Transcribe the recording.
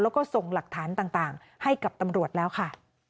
แล้วก็ส่งหลักฐานต่างให้กับตำรวจแล้วค่ะ